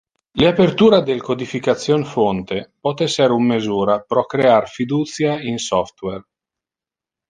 Le apertura del codification fonte pote ser un mesura pro crear fiducia in software.